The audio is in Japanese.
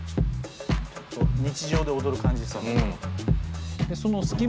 日常で踊る感じ。